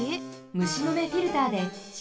むしのめフィルターでし